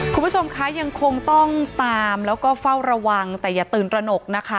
คุณผู้ชมคะยังคงต้องตามแล้วก็เฝ้าระวังแต่อย่าตื่นตระหนกนะคะ